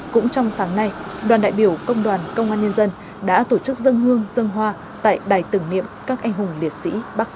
cũng trong sáng nay đoàn đại biểu công đoàn công an nhân dân đã tổ chức dân hương dân hoa tại đài tưởng niệm các anh hùng liệt sĩ